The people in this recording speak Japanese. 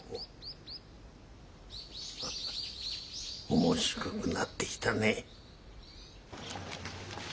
面白くなってきたね。